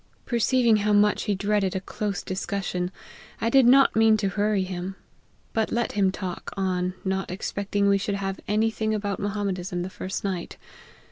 Perceiving how much he dreaded a close discus sion, I did not mean to hurry him, but let him talk on, not expecting we should have any thing about Mohammedism the first night.